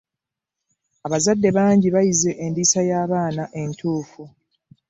Abazadde bangi bayize endiisa y'abaana entuufu.